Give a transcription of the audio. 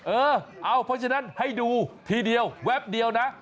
เออเอาเพราะฉะนั้นให้ดูทีเดียวแวบเดียวนะ